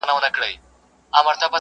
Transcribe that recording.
په سوداګرۍ کي تل لوی خطرونه منل کېږي.